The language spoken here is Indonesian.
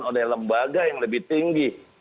dan juga lembaga yang lebih tinggi